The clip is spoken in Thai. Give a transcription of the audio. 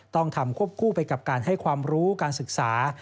ต้องทำควบคู่ไปกับการให้ความรู้การศึกษา